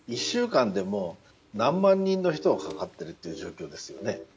１週間で何万人の人がかかっている状況ですよね。